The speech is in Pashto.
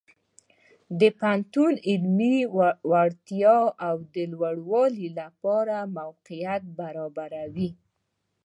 پوهنتون د علمي وړتیاو د لوړولو لپاره موقعیت برابروي.